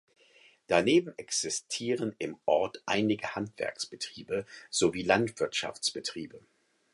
Daneben existieren im Ort einige Handwerksbetriebe sowie Landwirtschaftsbetriebe.